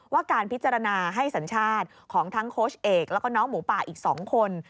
การพิจารณาให้สัญชาติของทั้งโค้ชเอกแล้วก็น้องหมูป่าอีก๒คน